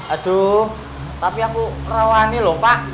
aduh tapi aku rawani lho pak